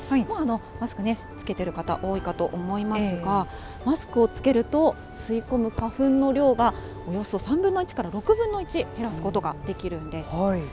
もうマスクね、着けてる方、多いかと思いますが、マスクを着けると、吸い込む花粉の量がおよそ３分の１から６分の１、減らすことができるんです。